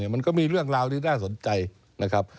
มันก็มีเรื่องราวที่น่าสนใจนะครับ